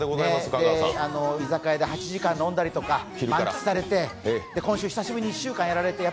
居酒屋で８時間飲んだりとか満喫されて、今週久しぶりに１週間やられてね。